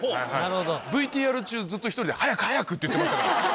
ＶＴＲ中ずっと１人で。って言ってましたから。